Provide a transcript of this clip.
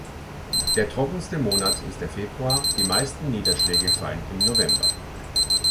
Der trockenste Monate ist der Februar, die meisten Niederschläge fallen im November.